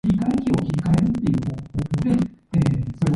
Even nicknames are not used.